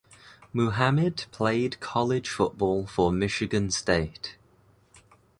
Muhammad played college football for Michigan State.